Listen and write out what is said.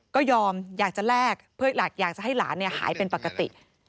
ก็ยอมอยากจะแลกเพื่ออยากจะให้หลานหายเป็นปกติ